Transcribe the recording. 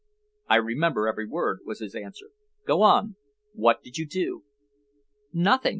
"I remember every word," was his answer. "Go on. What did you do?" "Nothing.